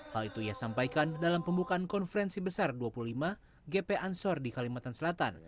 hal itu ia sampaikan dalam pembukaan konferensi besar dua puluh lima gp ansor di kalimantan selatan